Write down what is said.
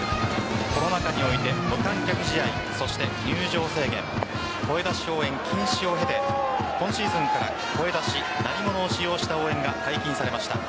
コロナ禍において無観客試合、そして入場制限声出し応援禁止を経て今シーズンから、声出し鳴り物を使用した応援が解禁されました。